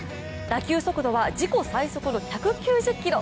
打球速度は自己最速の１９０キロ。